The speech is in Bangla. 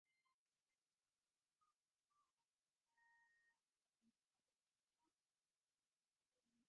তিনি ভারতীয়দের একতাবদ্ধতা-সহ বিভিন্ন বিষয়ে বক্তৃতা দিতে শুরু করেন।